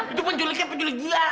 itu penculiknya penculik gila